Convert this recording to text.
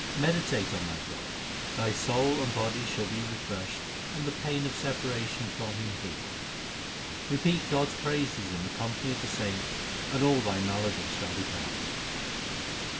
Meditate on that God ; thy soul and body shall be re freshed, and the pain of separation from Him healed. Repeat God s praises in the company of the saints, and all thy maladies shall depart.